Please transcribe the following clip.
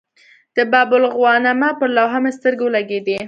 د باب الغوانمه پر لوحه مې سترګې ولګېدې.